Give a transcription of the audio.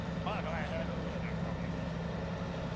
But I had a letter from him this morning.